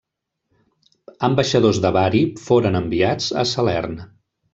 Ambaixadors de Bari foren enviats a Salern.